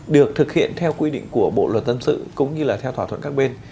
được thực hiện theo quy định của bộ luật dân sự cũng như là theo thỏa thuận các bên